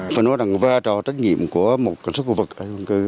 phần đó là một vai trò trách nhiệm của một cảnh sát cơ vực ở khu dân cư